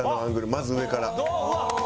まず上から。